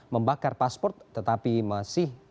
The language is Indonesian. membakar paspor tetapi masih